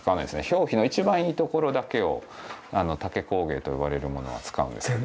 表皮の一番いいところだけを竹工芸といわれるものは使うんですね。